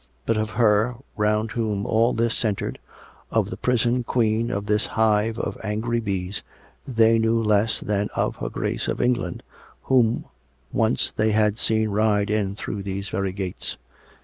But of her, round whom all this centred, of the prison queen of this hive of angry bees, they knew less than of her Grace of England whom once they had seen ride in through these very gates.